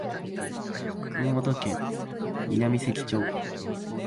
熊本県南関町